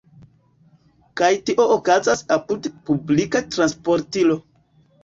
Kaj tio okazas apud publika transportilo.